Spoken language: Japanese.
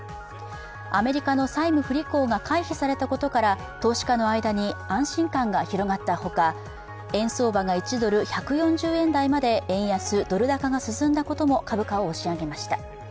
アメリカの債務不履行が回避されたことから投資家の間に安心感が広がったほか、円相場が１ドル＝１４０円台まで円安・ドル高が進んだことも株価を押し上げました。